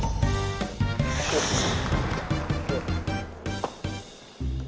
โอเค